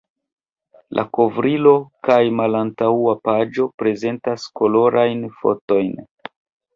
La kovrilo kaj malantaŭa paĝo prezentas kolorajn fotojn.